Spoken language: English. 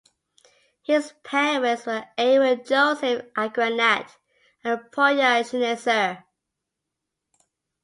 His parents were Aaron Joseph Agranat and Polya Schnitzer.